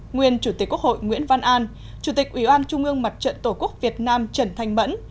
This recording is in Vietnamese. nguyên chủ tịch quốc hội nguyễn văn an chủ tịch ủy ban trung ương mặt trận tổ quốc việt nam trần thanh mẫn